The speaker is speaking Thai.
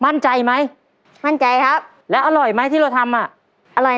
มั่นใจไหมมั่นใจครับแล้วอร่อยไหมที่เราทำอ่ะอร่อย